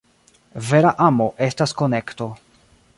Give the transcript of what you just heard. Vera amo estas konekto.